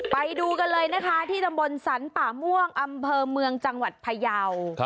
ไปดูกันเลยนะคะที่ตำบลสรรป่าม่วงอำเภอเมืองจังหวัดพยาว